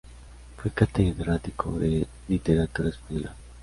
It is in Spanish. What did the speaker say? Fue catedrático de literatura española.